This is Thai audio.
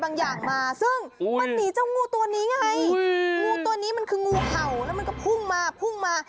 โงวตัวนี้มันคืองูเข่าแล้วมันก็พุ่งมา